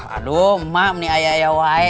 aduh emak ini ayah ayah wae